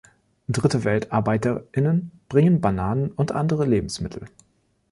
Dritte-Welt-Arbeiter*innen bringen Bananen und andere Lebensmittel.